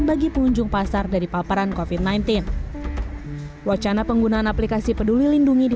bagi pengunjung pasar dari paparan kofit sembilan belas wacana penggunaan aplikasi peduli lindungi di